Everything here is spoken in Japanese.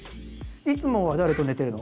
いつもは誰と寝てるの？